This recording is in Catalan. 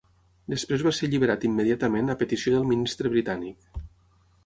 Després va ser alliberat immediatament a petició del ministre britànic.